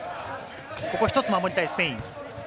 ここは一つ守りたいスペイン。